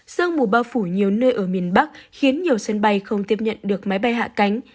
sương mù bao phủ nhiều nơi ở miền bắc khiến nhiều sân bay không tiếp nhận được máy bay hạ cánh